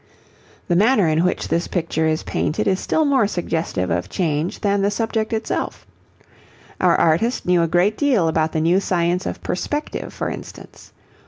The manner in which this picture is painted is still more suggestive of change than the subject itself. Our artist knew a great deal about the new science of perspective, for instance.